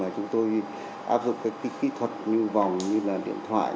chúng tôi áp dụng các kỹ thuật như vòng như là điện thoại